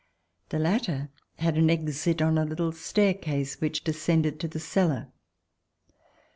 The latter had an exit on a little staircase which descended to the cellar.